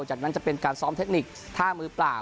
จากนั้นจะเป็นการซ้อมเทคนิคท่ามือเปล่า